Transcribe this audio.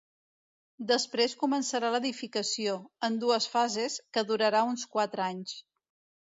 Després començarà l’edificació, en dues fases, que durarà uns quatre anys.